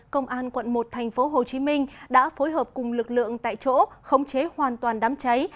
công an quận một tp hcm đã phối hợp cùng lực lượng tại chỗ khống chế hoàn toàn đám cháy